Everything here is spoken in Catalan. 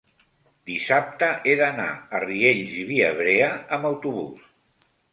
dissabte he d'anar a Riells i Viabrea amb autobús.